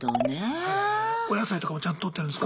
お野菜とかもちゃんととってるんですか？